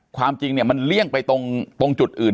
ความจริงเนี่ยมันเลี่ยงไปตรงจุดอื่น